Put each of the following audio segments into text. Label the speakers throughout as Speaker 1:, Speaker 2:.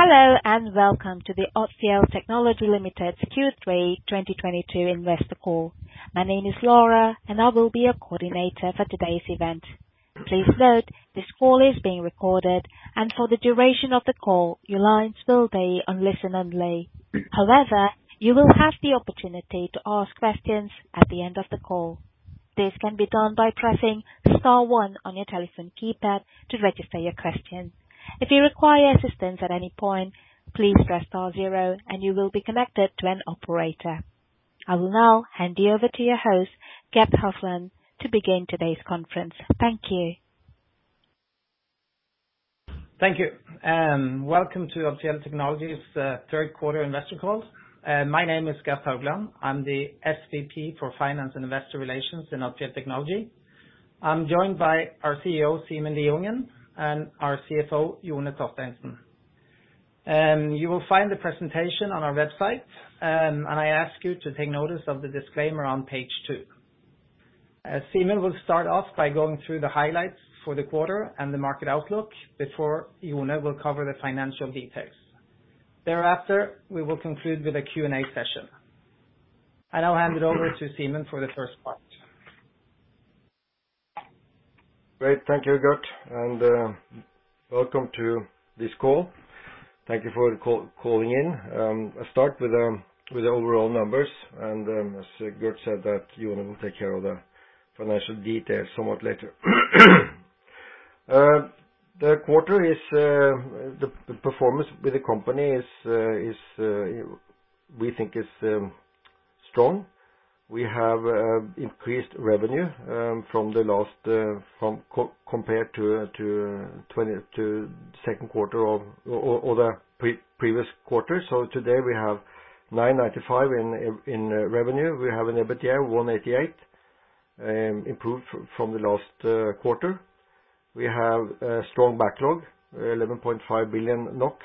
Speaker 1: Hello, welcome to the Odfjell Technology Ltd. Q3 2022 investor call. My name is Laura. I will be your coordinator for today's event. Please note this call is being recorded. For the duration of the call, your lines will be on listen-only. You will have the opportunity to ask questions at the end of the call. This can be done by pressing star one on your telephone keypad to register your question. If you require assistance at any point, please press star zero and you will be connected to an operator. I will now hand you over to your host, Gert Haugland, to begin today's conference. Thank you.
Speaker 2: Thank you. Welcome to Odfjell Technology's third quarter investor call. My name is Gert Haugland. I'm the SVP for Finance and Investor Relations in Odfjell Technology. I'm joined by our CEO, Simen Lieungh, and our CFO, Jone Torstensen. You will find the presentation on our website. I ask you to take notice of the disclaimer on page two. Simen will start off by going through the highlights for the quarter and the market outlook before Jone will cover the financial details. Thereafter, we will conclude with a Q&A session. I now hand it over to Simen for the first part.
Speaker 3: Great. Thank you, Gert, and welcome to this call. Thank you for calling in. I start with the overall numbers and as Gert said that Jone will take care of the financial details somewhat later. The quarter is the performance with the company is we think is strong. We have increased revenue from the last from compared to second quarter of or the previous quarter. Today we have 995 million in revenue. We have an EBITDA 188 million improved from the last quarter. We have a strong backlog, 11.5 billion NOK.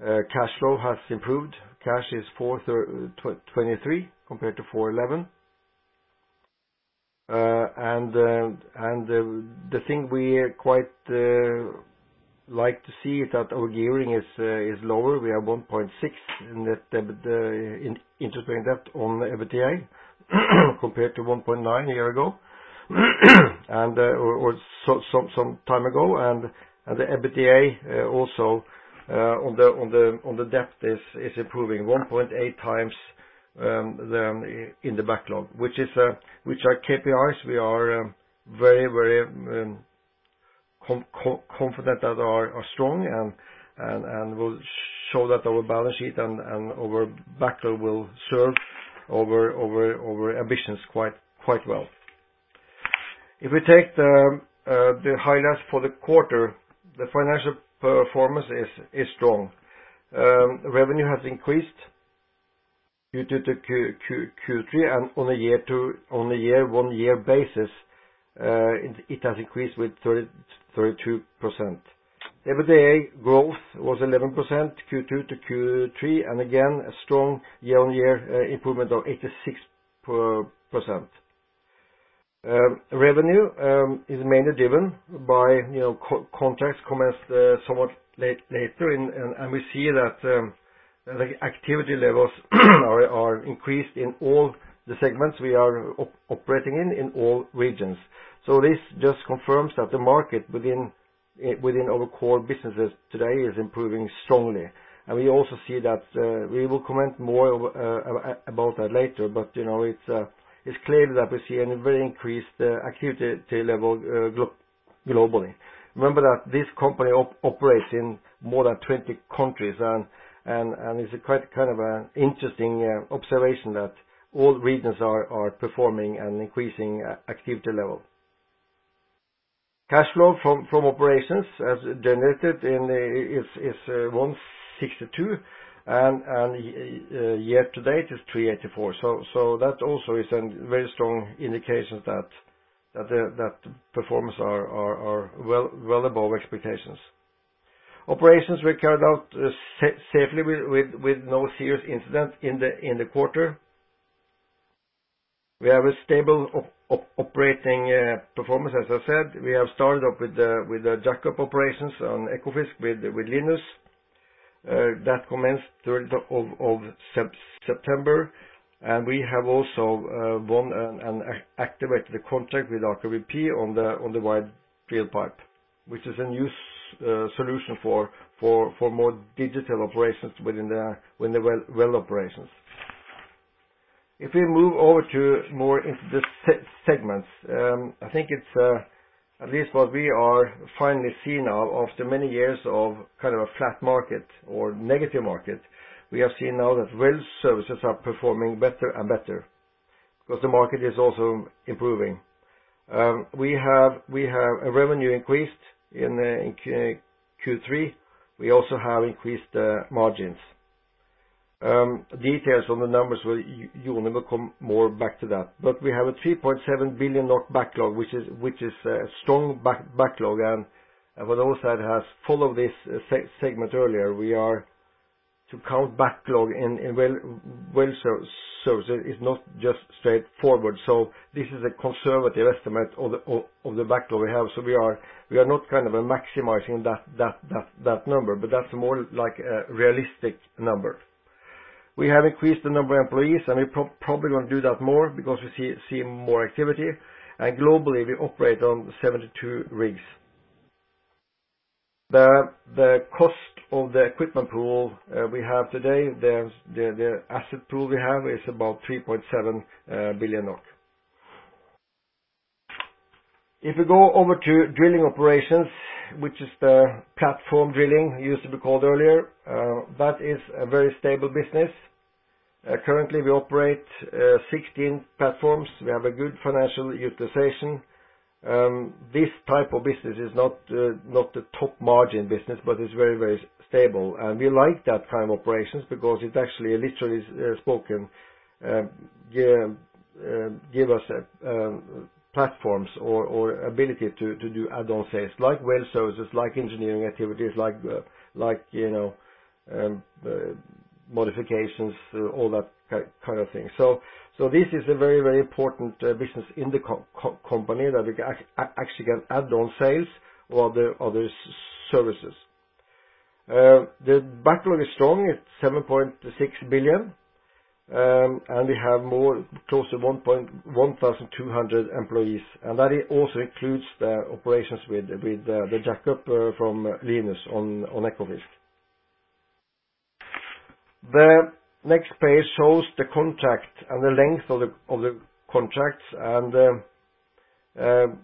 Speaker 3: Cash flow has improved. Cash is 423 million compared to 411 million. The thing we quite like to see is that our gearing is lower. We have 1.6 in the debt, in interest-bearing debt on the EBITDA compared to 1.9 a year ago and or some time ago. The EBITDA also on the debt is improving 1.8 times them in the backlog, which is which are KPIs we are very confident that are strong and will show that our balance sheet and our backlog will serve our ambitions quite well. If we take the highlights for the quarter, the financial performance is strong. Revenue has increased Q2 to Q3 and on a year-on-year basis, it has increased with 32%. EBITDA growth was 11% Q2 to Q3, again, a strong year-on-year improvement of 86%. Revenue is mainly driven by, you know, contracts commenced somewhat later and we see that the activity levels are increased in all the segments we are operating in all regions. This just confirms that the market within our core businesses today is improving strongly. We also see that we will comment more about that later, but, you know, it's clear that we see a very increased activity level globally. Remember that this company operates in more than 20 countries and it's quite kind of an interesting observation that all regions are performing and increasing activity level. Cash flow from operations as generated is 162 and year to date is 384. That also is an very strong indication that the performance are well above expectations. Operations were carried out safely with no serious incident in the quarter. We have a stable operating performance. As I said, we have started up with the jackup operations on Ekofisk with Linus. That commenced 3rd of September. We have also won activated a contract with Aker BP on the wired drill pipe, which is a new solution for more digital operations within the well operations. If we move over to more into the segments, I think it's at least what we are finally seeing now after many years of kind of a flat market or negative market. We have seen now that well services are performing better and better because the market is also improving. We have a revenue increase in Q3. We also have increased margins. Details on the numbers, well, Jone will come more back to that. We have a 3.7 billion backlog, which is a strong backlog. For those that has followed this segment earlier, To count backlog in well services is not just straightforward. This is a conservative estimate of the backlog we have. We are not kind of maximizing that number, but that's more like a realistic number. We have increased the number of employees, and we probably gonna do that more because we see more activity. Globally, we operate on 72 rigs. The cost of the equipment pool we have today, the asset pool we have is about 3.7 billion NOK. If we go over to drilling operations, which is the platform drilling, used to be called earlier, that is a very stable business. Currently we operate 16 platforms. We have a good financial utilization. This type of business is not the top margin business, it's very, very stable. We like that kind of operations because it actually literally spoken, give us platforms or ability to do add-on sales, like well services, like engineering activities, like, you know, modifications, all that kind of thing. This is a very, very important business in the company that we actually get add-on sales or the other services. The backlog is strong. It's 7.6 billion. We have more, close to 1,200 employees, and that also includes the operations with the jack-up from Linus on Ekofisk. The next page shows the contract and the length of the contracts and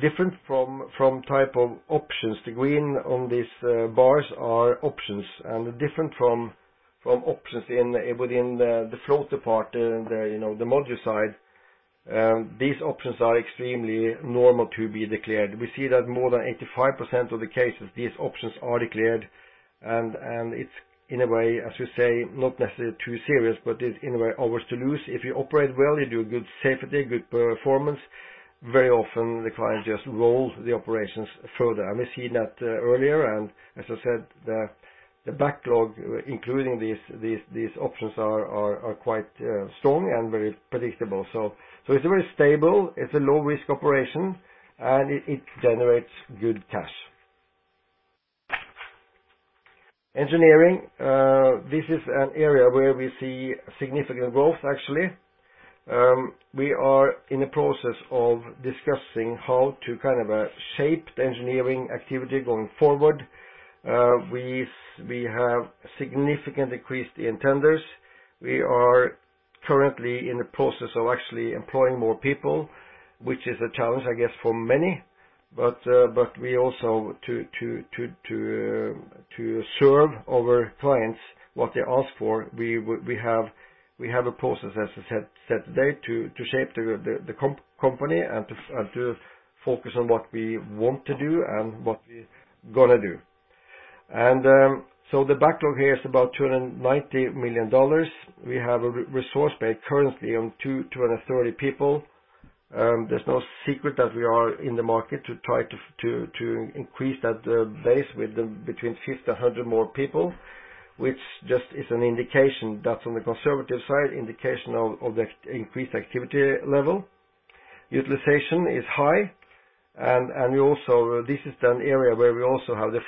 Speaker 3: different from type of options. The green on these bars are options and different from options in, within the floater part, the, you know, the module side. These options are extremely normal to be declared. We see that more than 85% of the cases, these options are declared and it's in a way, as we say, not necessarily too serious, but it's in a way ours to lose. If you operate well, you do a good safety, good performance, very often the client just rolls the operations further. We've seen that earlier, as I said, the backlog, including these options are quite strong and very predictable. It's very stable, it's a low risk operation, and it generates good cash. Engineering, this is an area where we see significant growth actually. We are in the process of discussing how to kind of shape the engineering activity going forward. We have significant increase in tenders. We are currently in the process of actually employing more people, which is a challenge, I guess, for many. We also to serve our clients what they ask for, we have a process, as I said today, to shape the company and to focus on what we want to do and what we gonna do. The backlog here is about $290 million. We have a resource base currently on 230 people. There's no secret that we are in the market to try to increase that base with between 50 to 100 more people, which just is an indication, that's on the conservative side, indication of the increased activity level. Utilization is high and we also. This is an area where we also have the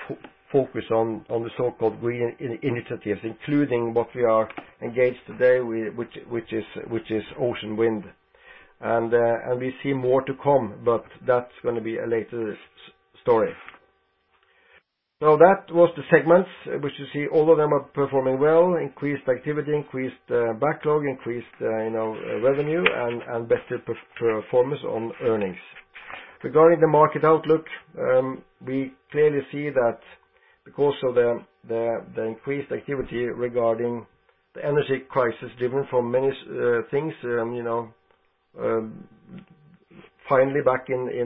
Speaker 3: focus on the so-called green initiatives, including what we are engaged today, which is ocean wind. We see more to come, but that's gonna be a later story. That was the segments, which you see all of them are performing well, increased activity, increased backlog, increased, you know, revenue and better performance on earnings. Regarding the market outlook, we clearly see that because of the increased activity regarding the energy crisis different from many things, you know, finally back in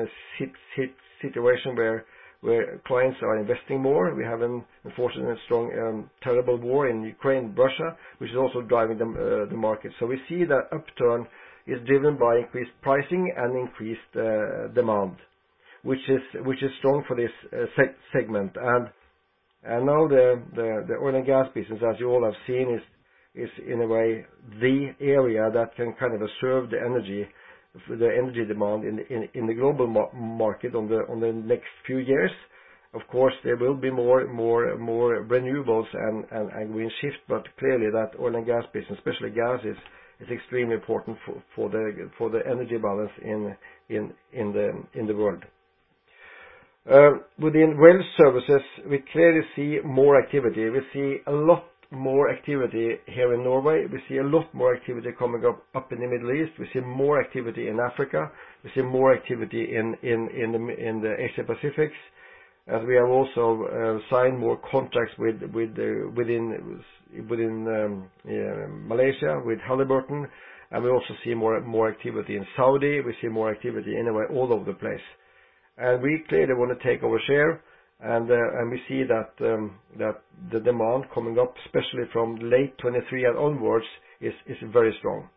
Speaker 3: a situation where clients are investing more. We have, unfortunately, a strong, terrible war in Ukraine, Russia, which is also driving the market. So we see the upturn is driven by increased pricing and increased demand, which is strong for this segment. Now the oil and gas business, as you all have seen, is in a way the area that can kind of serve the energy demand in the global market on the next few years. Of course, there will be more renewables and green shift, clearly that oil and gas business, especially gas, is extremely important for the energy balance in the world. Within well services, we clearly see more activity. We see a lot more activity here in Norway. We see a lot more activity coming up in the Middle East. We see more activity in Africa. We see more activity in the Asia Pacific. As we have also signed more contracts with the within Malaysia with Halliburton. We also see more activity in Saudi. We see more activity in a way, all over the place. We clearly want to take our share, and we see that the demand coming up, especially from late 2023 and onwards, is very strong.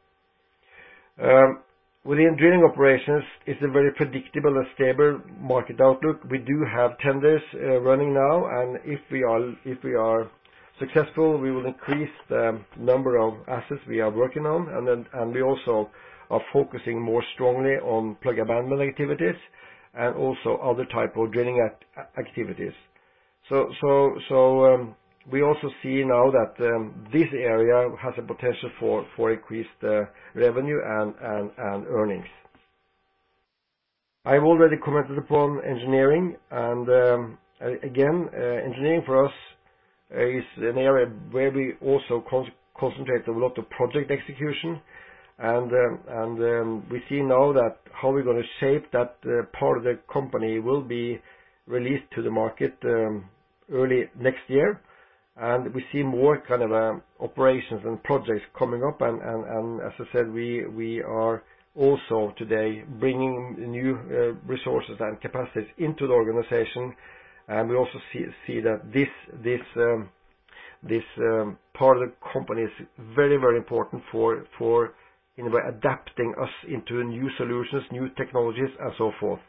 Speaker 3: Within drilling operations, it's a very predictable and stable market outlook. We do have tenders running now, and if we are successful, we will increase the number of assets we are working on. We also are focusing more strongly on plug abandonment activities and also other type of drilling activities. We also see now that this area has a potential for increased revenue and earnings. I've already commented upon engineering and again, engineering for us is an area where we also concentrate a lot of project execution. We see now that how we're gonna shape that part of the company will be released to the market early next year. We see more kind of operations and projects coming up. As I said, we are also today bringing new resources and capacities into the organization. We also see that this part of the company is very important for, you know, adapting us into new solutions, new technologies, and so forth.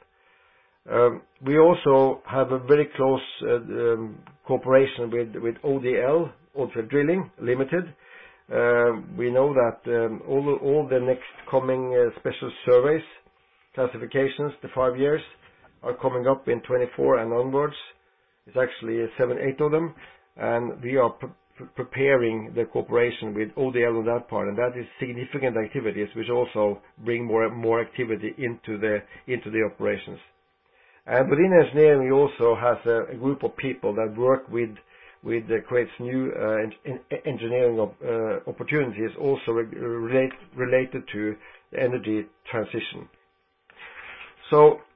Speaker 3: We also have a very close cooperation with ODL, Odfjell Drilling Limited. We know that all the next coming special surveys, classifications to five years are coming up in 2024 and onwards. It's actually seven, eight of them. We are preparing the cooperation with ODL on that part. That is significant activities which also bring more activity into the operations. Within engineering, we also have a group of people that work with creates new engineering opportunities also related to the energy transition.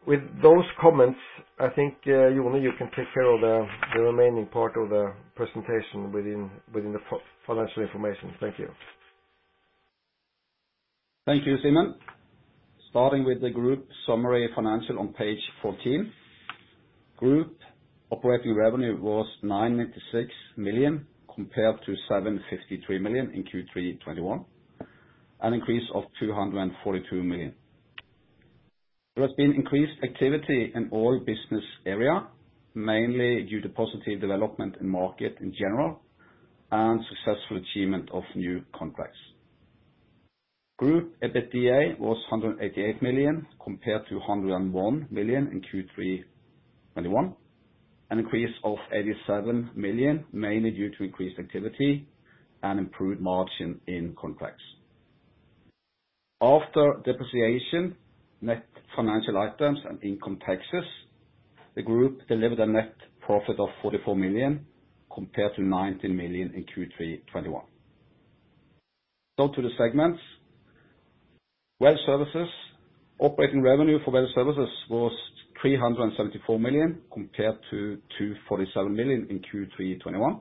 Speaker 3: With those comments, I think Jone, you can take care of the remaining part of the presentation within the financial information. Thank you.
Speaker 4: Thank you, Simen. Starting with the group summary financial on page 14. Group operating revenue was 996 million compared to 753 million in Q3 2021, an increase of 242 million. There has been increased activity in all business area, mainly due to positive development in market in general and successful achievement of new contracts. Group EBITDA was 188 million compared to 101 million in Q3 2021, an increase of 87 million, mainly due to increased activity and improved margin in contracts. After depreciation, net financial items, and income taxes, the group delivered a net profit of 44 million compared to 19 million in Q3 2021. Down to the segments. Well services. Operating revenue for well services was 374 million compared to 247 million in Q3 2021,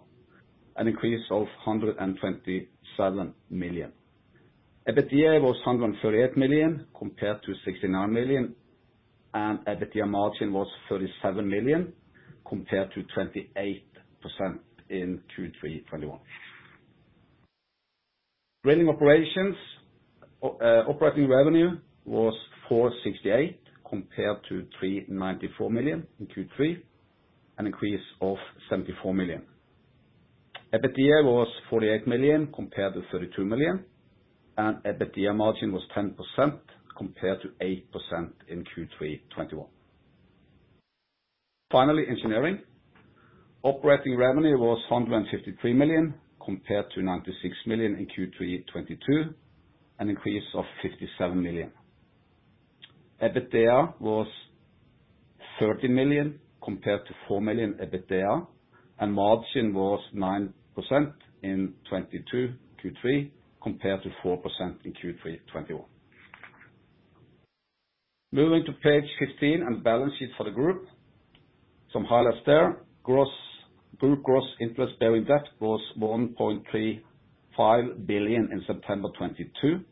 Speaker 4: an increase of 127 million. EBITDA was 138 million compared to 69 million. EBITDA margin was 37 million compared to 28% in Q3 2021. Drilling operations. Operating revenue was 468 compared to 394 million in Q3, an increase of 74 million. EBITDA was 48 million compared to 32 million. EBITDA margin was 10% compared to 8% in Q3 2021. Finally, engineering. Operating revenue was 153 million compared to 96 million in Q3 2022, an increase of 57 million. EBITDA was 30 million compared to 4 million EBITDA. Margin was 9% in 2022 Q3 compared to 4% in Q3 2021. Moving to page 15 and balance sheet for the group. Some highlights there. Gross, group gross interest-bearing debt was 1.35 billion in September 2022,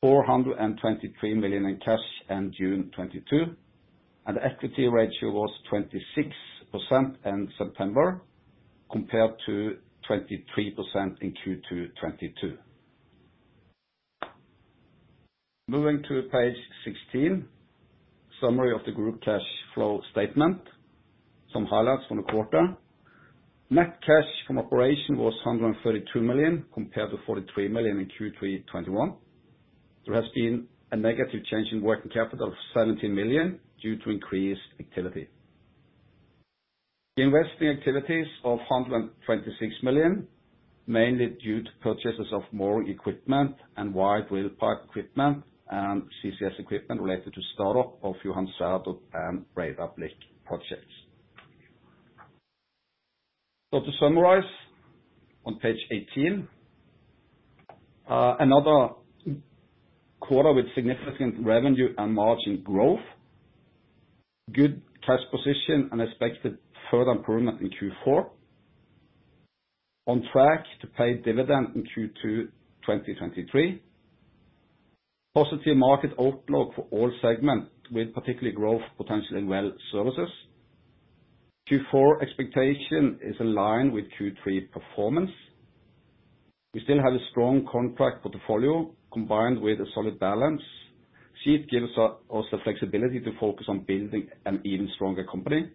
Speaker 4: 423 million in cash in June 2022. Equity ratio was 26% in September compared to 23% in Q2 2022. Moving to page 16, summary of the group cash flow statement. Some highlights from the quarter. Net cash from operation was 132 million compared to 43 million in Q3 2021. There has been a negative change in working capital of 17 million due to increased activity. Investing activities of 126 million, mainly due to purchases of more equipment and wired drill pipe equipment and CCS equipment related to start up of Johan Sverdrup and Breidablikk projects. To summarize on page 18, another quarter with significant revenue and margin growth. Good cash position and expected further improvement in Q4. On track to pay dividend in Q2 2023. Positive market outlook for all segments, with particular growth potential in well services. Q4 expectation is in line with Q3 performance. We still have a strong contract portfolio combined with a solid balance sheet, gives us the flexibility to focus on building an even stronger company.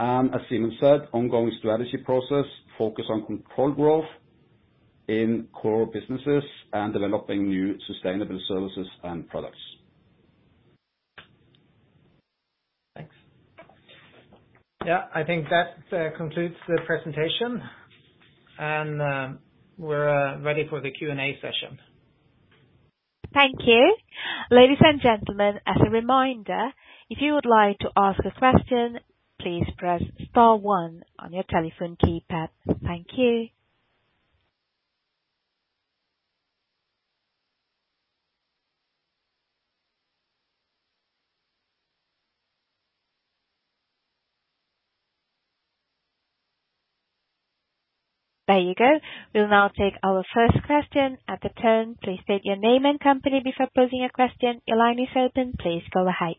Speaker 4: As Simen said, ongoing strategy process focus on controlled growth in core businesses and developing new sustainable services and products.
Speaker 2: Thanks. Yeah. I think that concludes the presentation and we're ready for the Q&A session.
Speaker 1: Thank you. Ladies and gentlemen, as a reminder, if you would like to ask a question, please press star one on your telephone keypad. Thank you. There you go. We'll now take our first question at the tone. Please state your name and company before posing your question. Your line is open. Please go ahead.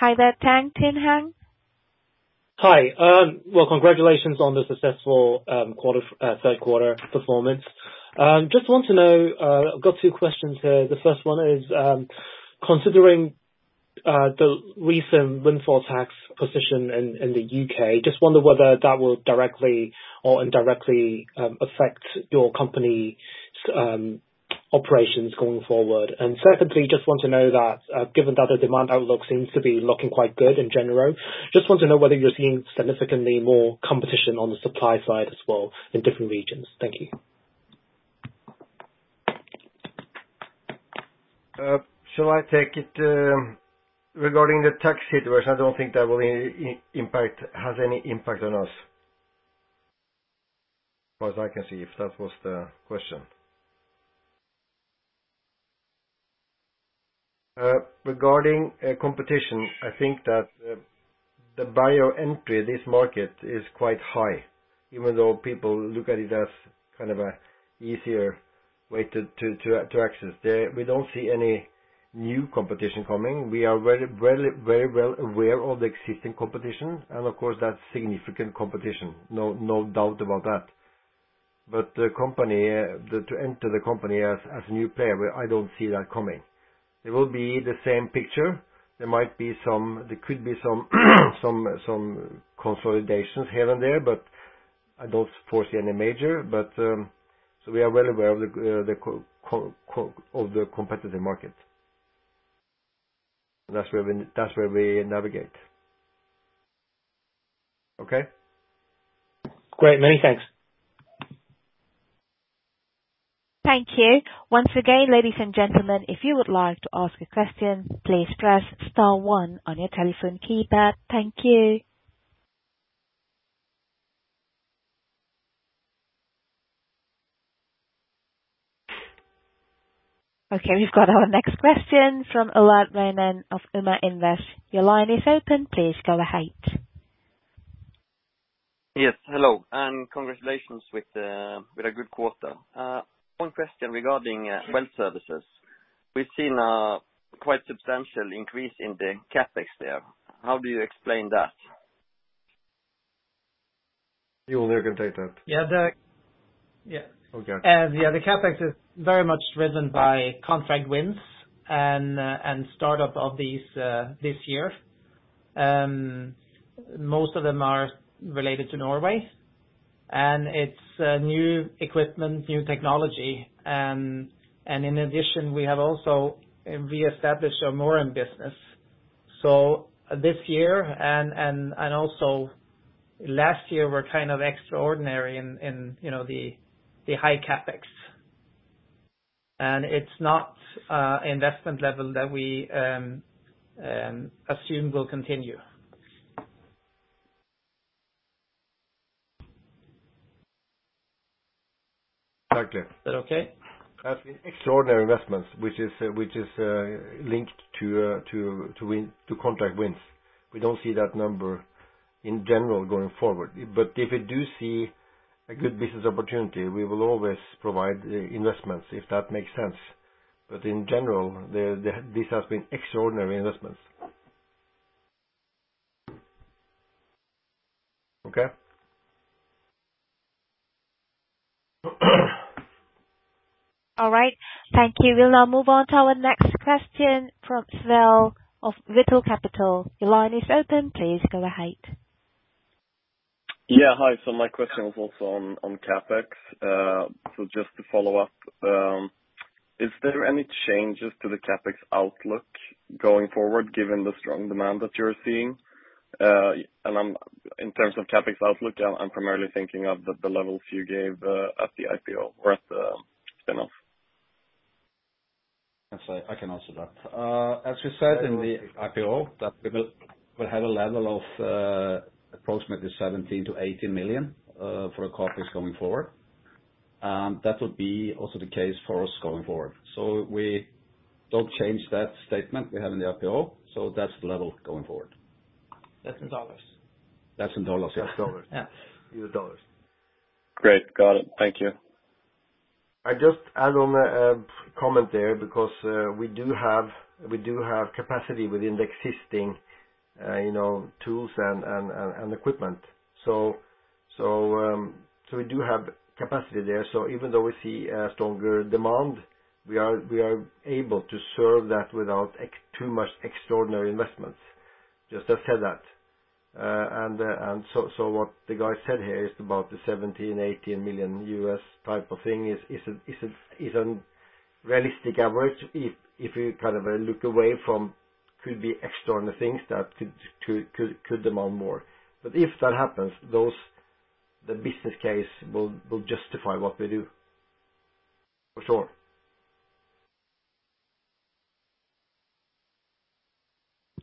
Speaker 1: Hi there, Kim André Uggedal.
Speaker 5: Hi. Well, congratulations on the successful third quarter performance. Just want to know, I've got two questions here. The first one is, considering the recent windfall tax position in the U.K., just wonder whether that will directly or indirectly affect your company's operations going forward. Secondly, just want to know that, given that the demand outlook seems to be looking quite good in general, just want to know whether you're seeing significantly more competition on the supply side as well in different regions. Thank you.
Speaker 3: Shall I take it? Regarding the tax situation, I don't think that will have any impact on us, as far as I can see, if that was the question. Regarding competition, I think that the buyer entry this market is quite high. Even though people look at it as kind of a easier way to access. We don't see any new competition coming. We are very well aware of the existing competition and of course that's significant competition. No, no doubt about that. The company, to enter the company as a new player, I don't see that coming. It will be the same picture. There could be some consolidations here and there, but I don't foresee any major. We are well aware of the competitive market. That's where we navigate. Okay?
Speaker 5: Great. Many thanks.
Speaker 1: Thank you. Once again, ladies and gentlemen, if you would like to ask a question, please press star one on your telephone keypad. Thank you. Okay, we've got our next question from Ullard Rehman of Uma Invest. Your line is open. Please go ahead.
Speaker 6: Yes. Hello, and congratulations with a good quarter. One question regarding well services. We've seen a quite substantial increase in the CapEx there. How do you explain that?
Speaker 3: Jone, you can take that.
Speaker 4: Yeah, the...
Speaker 3: Okay.
Speaker 4: Yeah, the CapEx is very much driven by contract wins and startup of these this year. Most of them are related to Norway, and it's new equipment, new technology. In addition, we have also re-established our mooring business. This year and also last year were kind of extraordinary in, you know, the high CapEx. It's not investment level that we assume will continue.
Speaker 6: Okay.
Speaker 4: Is that okay?
Speaker 3: That's extraordinary investments, which is linked to contract wins. We don't see that number in general going forward. If we do see a good business opportunity, we will always provide investments, if that makes sense. In general, this has been extraordinary investments. Okay?
Speaker 1: All right. Thank you. We'll now move on to our next question from Svel of Vital Capital. Your line is open. Please go ahead.
Speaker 7: Yeah. Hi. My question was also on CapEx. Just to follow up, is there any changes to the CapEx outlook going forward, given the strong demand that you're seeing? In terms of CapEx outlook, I'm primarily thinking of the levels you gave at the IPO or at the spin-off.
Speaker 4: I'm sorry. I can answer that. As we said in the IPO, that we'll have a level of approximately $17 million-$18 million for our CapEx going forward. That would be also the case for us going forward. We don't change that statement we have in the IPO. That's the level going forward.
Speaker 2: That's in dollars.
Speaker 4: That's in dollars, yeah.
Speaker 3: That's dollars.
Speaker 4: Yeah.
Speaker 3: In dollars.
Speaker 7: Great. Got it. Thank you.
Speaker 3: I just add on a comment there because we do have capacity within the existing, you know, tools and equipment. So we do have capacity there. So even though we see a stronger demand, we are able to serve that without too much extraordinary investments. Just to say that. What the guy said here is about the $17 million-$18 million U.S. type of thing is a realistic average if you kind of look away from could be extraordinary things that could demand more. But if that happens, those... the business case will justify what we do. For sure.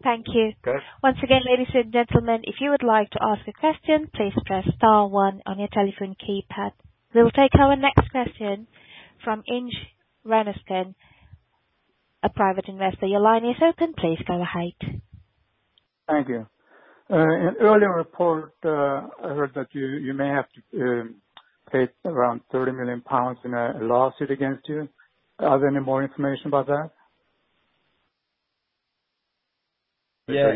Speaker 1: Thank you.
Speaker 3: Okay.
Speaker 1: Once again, ladies and gentlemen, if you would like to ask a question, please press star one on your telephone keypad. We will take our next question from Inge Reinertsen, a private investor. Your line is open. Please go ahead.
Speaker 8: Thank you. An earlier report, I heard that you may have to pay around 30 million pounds in a lawsuit against you. Are there any more information about that?
Speaker 4: Yeah.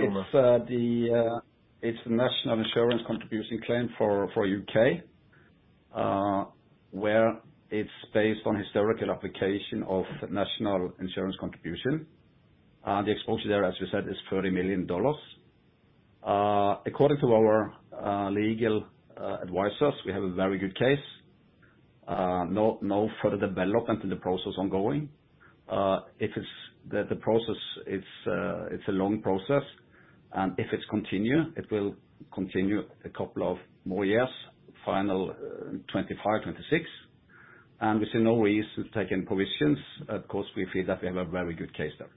Speaker 4: It's the National Insurance contribution claim for U.K., where it's based on historical application of National Insurance contribution. The exposure there, as you said, is $30 million. According to our legal advisors, we have a very good case. No further development in the process ongoing. The process, it's a long process, and if it's continue, it will continue a couple of more years, final 2025, 2026. We see no reason to take any provisions. Of course, we feel that we have a very good case there.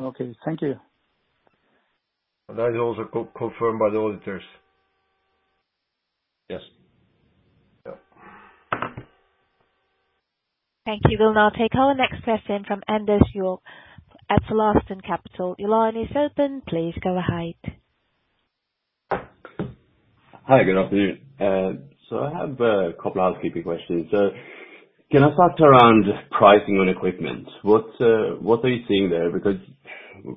Speaker 8: Okay. Thank you.
Speaker 3: That is also co-confirmed by the auditors.
Speaker 4: Yes.
Speaker 3: Yeah.
Speaker 1: Thank you. We'll now take our next question from Anders Høegh at Alastor Capital. Your line is open. Please go ahead.
Speaker 9: Hi, good afternoon. I have a couple of housekeeping questions. Can I start around just pricing on equipment? What, what are you seeing there? Because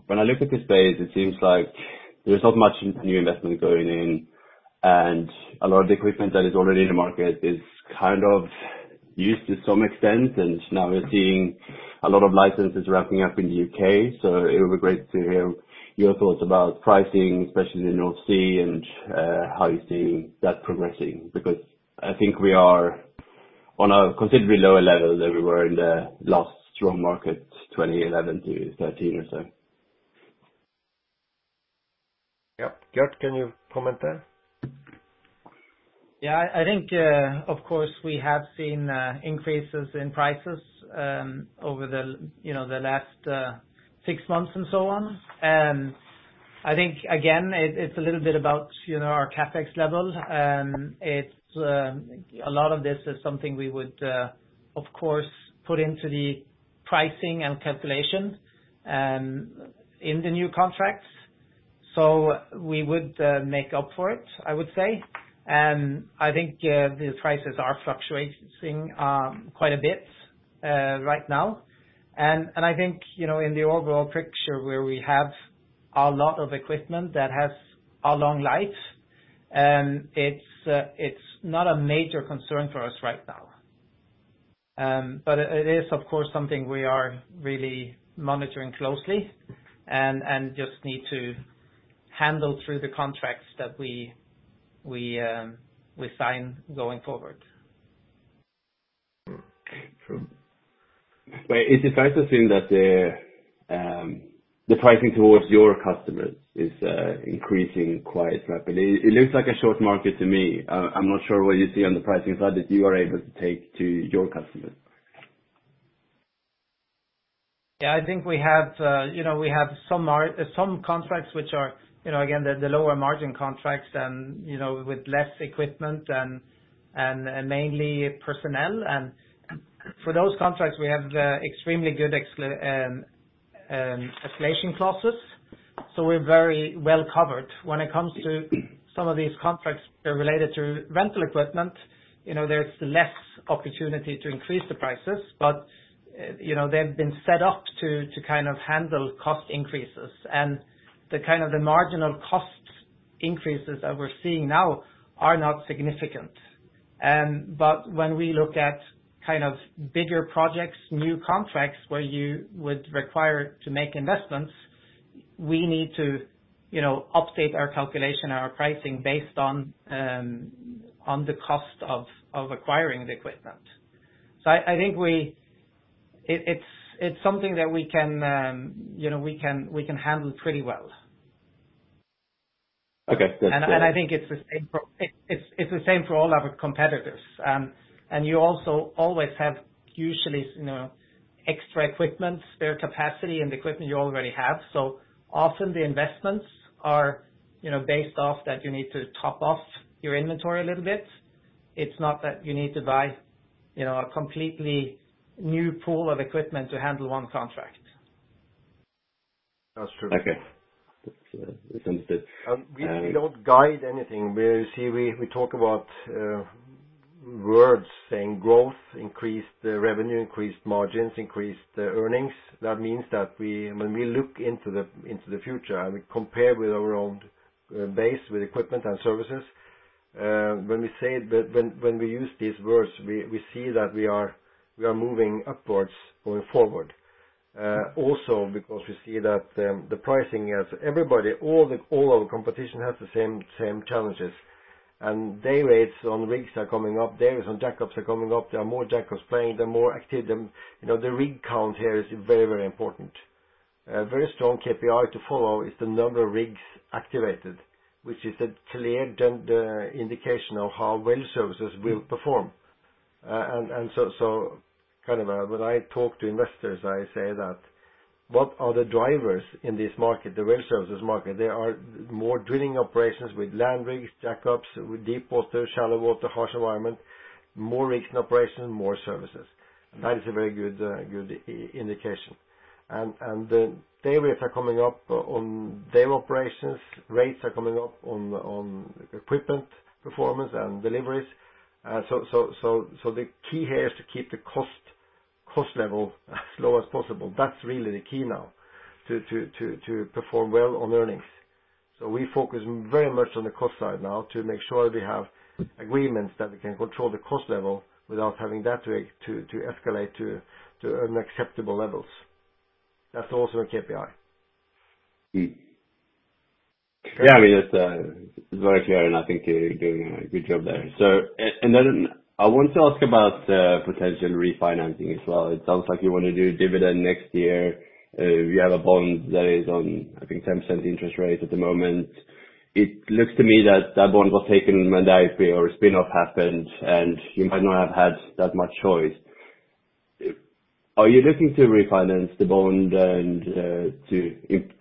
Speaker 9: when I look at this space, it seems like there's not much new investment going in, and a lot of the equipment that is already in the market is kind of used to some extent, and now we're seeing a lot of licenses wrapping up in the U.K. It would be great to hear your thoughts about pricing, especially in North Sea, and how you're seeing that progressing. Because I think we are on a considerably lower level than we were in the last strong market, 2011-2013 or so.
Speaker 3: Yeah. Gert, can you comment there?
Speaker 2: Yeah. I think, of course, we have seen increases in prices, over the, you know, the last six months and so on. I think again, it's a little bit about, you know, our CapEx level. It's a lot of this is something we would, of course, put into the pricing and calculation, in the new contracts. We would make up for it, I would say. I think the prices are fluctuating quite a bit right now. I think, you know, in the overall picture where we have a lot of equipment that has a long life, it's not a major concern for us right now. It is, of course, something we are really monitoring closely and just need to handle through the contracts that we sign going forward.
Speaker 9: True. Is it fair to assume that the pricing towards your customers is increasing quite rapidly? It looks like a short market to me. I'm not sure what you see on the pricing side that you are able to take to your customers?
Speaker 2: Yeah. I think we have, you know, we have some contracts which are, you know, again, the lower margin contracts and, with less equipment and mainly personnel. For those contracts, we have extremely good escalation clauses, so we're very well covered. When it comes to some of these contracts that are related to rental equipment, you know, there's less opportunity to increase the prices, but, you know, they've been set up to kind of handle cost increases. The kind of the marginal cost increases that we're seeing now are not significant. When we look at kind of bigger projects, new contracts where you would require to make investments, we need to, you know, update our calculation and our pricing based on the cost of acquiring the equipment. I think we. It's something that we can, you know, we can handle pretty well.
Speaker 9: Okay. Good.
Speaker 2: I think it's the same for all our competitors. You also always have usually, you know, extra equipment, spare capacity in the equipment you already have. Often the investments are, you know, based off that you need to top off your inventory a little bit. It's not that you need to buy You know, a completely new pool of equipment to handle one contract.
Speaker 3: That's true.
Speaker 9: Okay. That's understood.
Speaker 3: We don't guide anything. You see, we talk about words saying growth, increased revenue, increased margins, increased earnings. That means that when we look into the future and we compare with our own base, with equipment and services, when we use these words, we see that we are moving upwards going forward. Also because we see that the pricing as everybody, all our competition has the same challenges. Day rates on rigs are coming up. Day rates on jackups are coming up. There are more jackups playing. They're more active. You know, the rig count here is very important. A very strong KPI to follow is the number of rigs activated, which is a clear indication of how well services will perform. Kind of, when I talk to investors, I say that what are the drivers in this market, the well services market? There are more drilling operations with land rigs, jackups, with deep water, shallow water, harsh environment. More rigs in operation, more services. That is a very good indication. The day rates are coming up on day operations. Rates are coming up on equipment performance and deliveries. The key here is to keep the cost level as low as possible. That's really the key now to perform well on earnings. We focus very much on the cost side now to make sure we have agreements that we can control the cost level without having that rate to escalate to unacceptable levels. That's also a KPI.
Speaker 9: Yeah. I mean, it's very clear, and I think you're doing a good job there. And then I want to ask about potential refinancing as well. It sounds like you wanna do dividend next year. You have a bond that is on, I think, 10% interest rate at the moment. It looks to me that that bond was taken mandatory or spin-off happened, and you might not have had that much choice. Are you looking to refinance the bond and to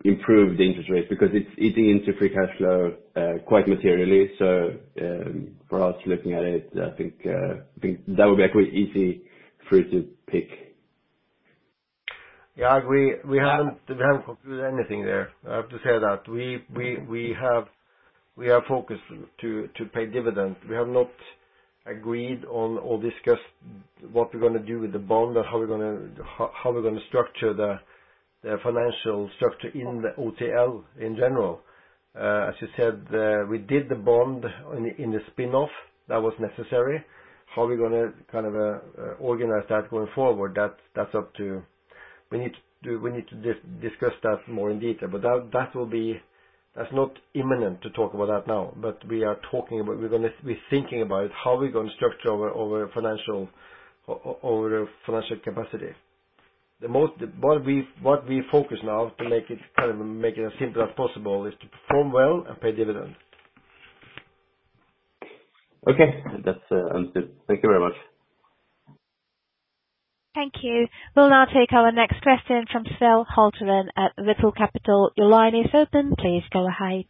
Speaker 9: improve the interest rate? Because it's eating into free cash flow quite materially. For us looking at it, I think, I think that would be a quite easy fruit to pick.
Speaker 3: Yeah. We haven't concluded anything there. I have to say that. We have, we are focused to pay dividends. We have not agreed on or discussed what we're gonna do with the bond or how we're gonna structure the financial structure in the OTL in general. As you said, we did the bond in the spin-off. That was necessary. How we're gonna kind of organize that going forward. We need to discuss that more in detail. That's not imminent to talk about that now. We're gonna be thinking about it, how we're gonna structure our financial, our financial capacity. The most... What we focus now to make it, kind of, make it as simple as possible is to perform well and pay dividends.
Speaker 9: Okay. That's understood. Thank you very much.
Speaker 1: Thank you. We'll now take our next question from Phil Holterven at Vital Capital. Your line is open. Please go ahead.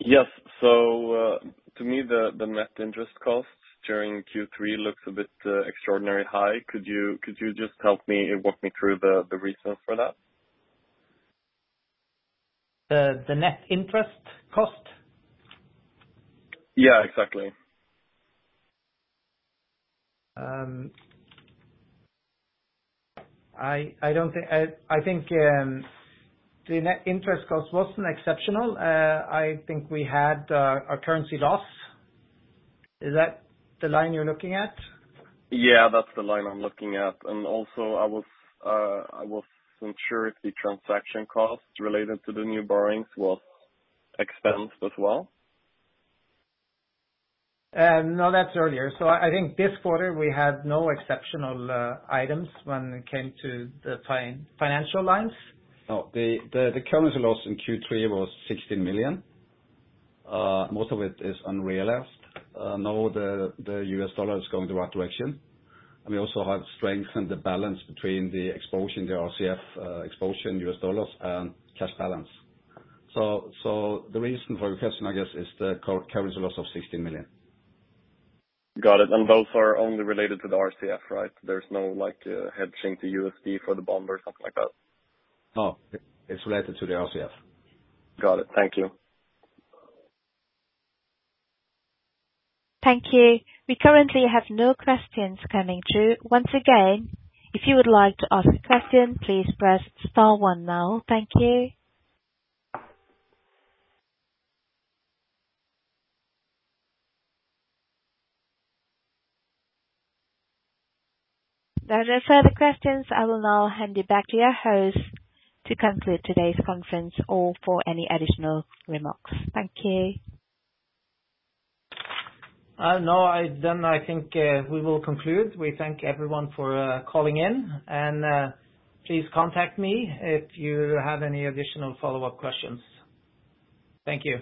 Speaker 10: Yes. To me, the net interest cost during Q3 looks a bit extraordinary high. Could you just help me and walk me through the reason for that?
Speaker 2: The net interest cost?
Speaker 10: Yeah, exactly.
Speaker 2: I think the net interest cost wasn't exceptional. I think we had a currency loss. Is that the line you're looking at?
Speaker 10: Yeah, that's the line I'm looking at. Also I was, I wasn't sure if the transaction costs related to the new borrowings was expensed as well.
Speaker 4: No, that's earlier. I think this quarter we had no exceptional items when it came to the financial lines. No. The currency loss in Q3 was 16 million. Most of it is unrealized. Now the U.S. dollar is going the right direction. We also have strengthened the balance between the exposure in the RCF, exposure in US dollars and cash balance. The reason for your question, I guess, is the currency loss of 16 million.
Speaker 10: Got it. Those are only related to the RCF, right? There's no, like, hedging to USD for the bond or something like that.
Speaker 4: No. It's related to the RCF.
Speaker 10: Got it. Thank you.
Speaker 1: Thank you. We currently have no questions coming through. Once again, if you would like to ask a question, please press star one now. Thank you. There are no further questions. I will now hand it back to your host to conclude today's conference or for any additional remarks. Thank you.
Speaker 3: No. I think we will conclude. We thank everyone for calling in. Please contact me if you have any additional follow-up questions. Thank you.